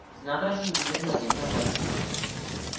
Z nádraží je vyvedena jedna vlečka.